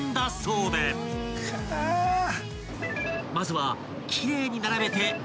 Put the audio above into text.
［まずは］